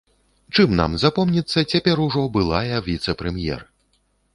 Чым нам запомніцца цяпер ужо былая віцэ-прэм'ер?